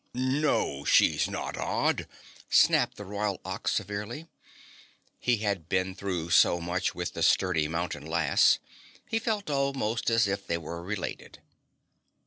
"No, she's not odd!" snapped the Royal Ox severely. He had been through so much with the sturdy mountain lass, he felt almost as if they were related.